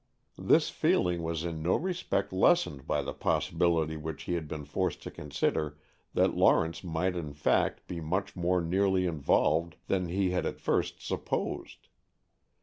This feeling was in no respect lessened by the possibility which he had been forced to consider that Lawrence might in fact be much more nearly involved than he had at first supposed.